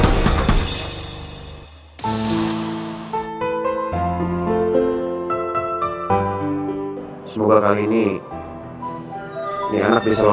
ada masalah apa lagi ya